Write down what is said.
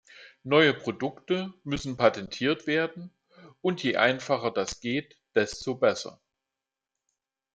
Neue Produkte müssen patentiert werden, und je einfacher das geht, desto besser.